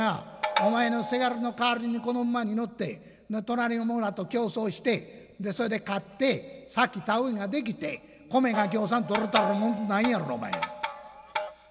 お前の伜の代わりにこの馬に乗って隣の馬と競走してでそれで勝って先田植えができて米がぎょうさん取れたら文句ないんやろお前」。